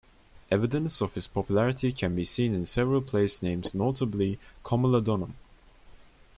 Evidence of his popularity can be seen in several place-names notably Camulodunum.